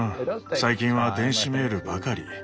最近は電子メールばかり。